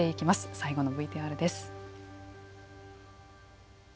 最後のＶＴＲです。